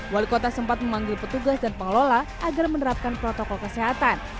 wali kota sempat memanggil petugas dan pengelola agar menerapkan protokol kesehatan